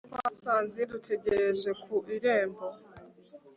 twasanze yadutegereje ku irembo